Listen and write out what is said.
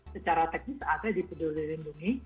secara teknis ada di peduli lindungi